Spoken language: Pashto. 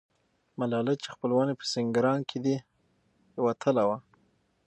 ملالۍ چې خپلوان یې په سینګران کې دي، یوه اتله وه.